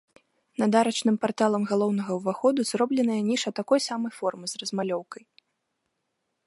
Над арачным парталам галоўнага ўваходу зробленая ніша такой самай формы з размалёўкай.